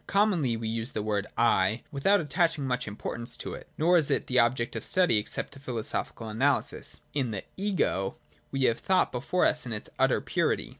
Commonly we use the word ' I ' without attaching much importance to it, nor is it an object of study except to philosophical analysis. In the ' Ego,' we have thought before us in its utter purity.